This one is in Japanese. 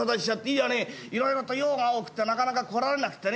いやねいろいろと用が多くてなかなか来られなくてね。